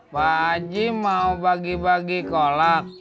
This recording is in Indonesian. pak ajih mau bagi bagi kolak